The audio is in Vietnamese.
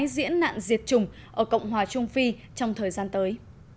về diệt chủng ở cộng hòa trung phi trong thời gian tới